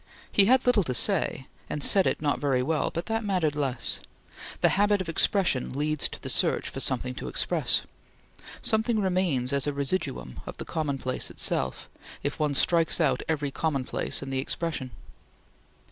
He had little to say, and said it not very well, but that mattered less. The habit of expression leads to the search for something to express. Something remains as a residuum of the commonplace itself, if one strikes out every commonplace in the expression.